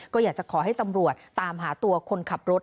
ก็อยากจะขอให้ตำรวจตามหาตัวคนขับรถ